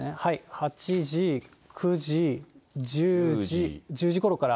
８時、９時、１０時、１０時ごろから。